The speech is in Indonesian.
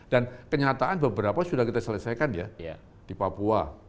dan kenyataan beberapa sudah kita selesaikan ya di papua